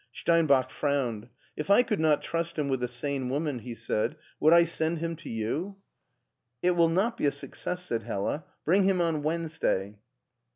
Steinbach frowned. " If I could not trust him with a sane woman," he said, " would I send him to you ?"" It will not be a success," said Hella ;" bring him on Wednesday."